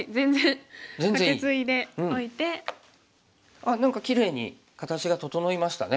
あっ何かきれいに形が整いましたね。